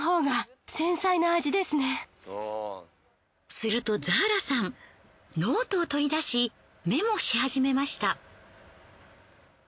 するとザーラさんノートを取り出しメモし始めました。